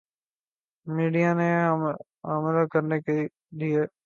Madonna نے حاملہ کرنے کیلئے کروڑ ڈالر کی پیشکش کی